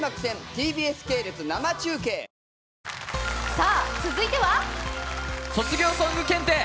さあ続いては卒業ソング検定。